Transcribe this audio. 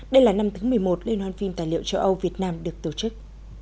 đây là năm thứ một mươi một liên hoan phim tài liệu châu âu việt nam được tổ chức